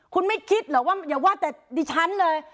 คุณไม่คิดเหรอว่าอย่าว่าแต่ดิฉันเลย